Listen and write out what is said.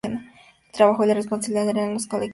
El trabajo y la responsabilidad eran colectivos.